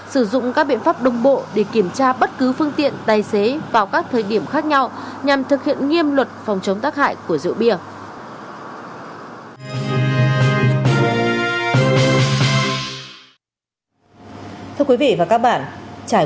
sử dụng các biện pháp đồng bộ để kiểm tra bất cứ phương tiện tài xế vào các thời điểm khác nhau nhằm thực hiện nghiêm luật phòng chống tác hại